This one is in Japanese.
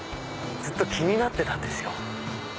ずっと気になってたんですよ。